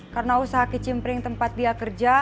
karena usaha kecimpring tempat dia kerja